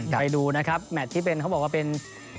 ไปดูนะครับแมทที่เป็นเขาบอกว่าเป็น